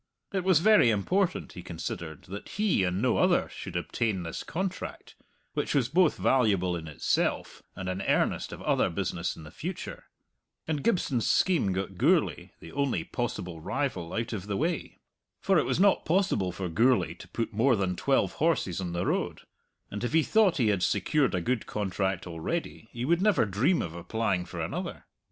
It was very important, he considered, that he, and no other, should obtain this contract, which was both valuable in itself and an earnest of other business in the future. And Gibson's scheme got Gourlay, the only possible rival, out of the way. For it was not possible for Gourlay to put more than twelve horses on the road, and if he thought he had secured a good contract already, he would never dream of applying for another.